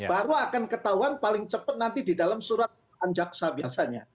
baru akan ketahuan paling cepat nanti di dalam surat anjaksa biasanya